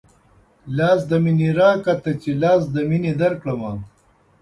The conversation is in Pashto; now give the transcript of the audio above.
لاس د مينې راکه تۀ چې لاس د مينې درکړمه